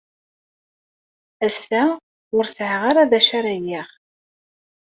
Ass-a, ur sɛiɣ ara d acu ara geɣ.